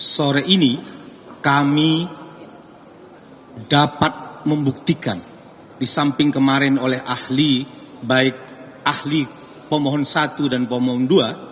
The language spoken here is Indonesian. sore ini kami dapat membuktikan di samping kemarin oleh ahli baik ahli pemohon satu dan pemohon dua